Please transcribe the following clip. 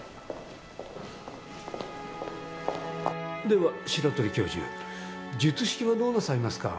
では白鳥教授術式はどうなさいますか？